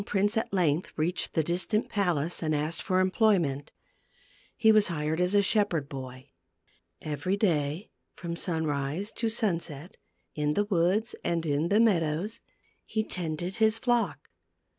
Thus attired the reached the distant palace, and asked for employment. He was hired as a shepherd boy. Every day, from sunrise to sunset, in J the woods and jf in the meadows, he tended his flock.